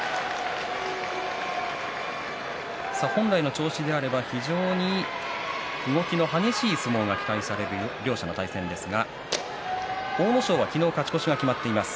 本来の調子であれば非常に動きの激しい相撲が期待される両者の対戦ですが阿武咲は昨日、勝ち越しが決まっています。